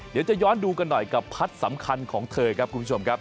เดี๋ยวจะย้อนดูกันหน่อยกับพัดสำคัญของเธอครับคุณผู้ชมครับ